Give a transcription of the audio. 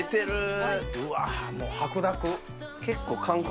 うわもう白濁。